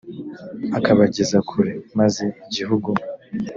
akabageza kure maze igihugu